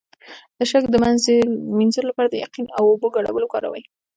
د شک د مینځلو لپاره د یقین او اوبو ګډول وکاروئ